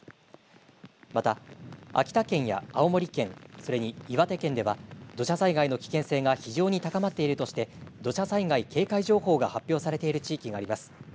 また秋田県や青森県、それに岩手県では土砂災害の危険性が非常に高まっているとして土砂災害警戒情報が発表されている地域があります。